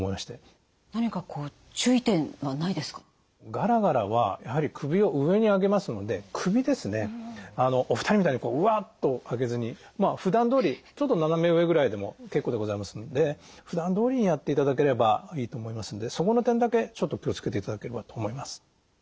ガラガラはやはり首を上に上げますので首ですねお二人みたいにうわっと上げずにふだんどおりちょっと斜め上ぐらいでも結構でございますのでふだんどおりにやっていただければいいと思いますのでそこの点だけちょっと気を付けていただければと思います。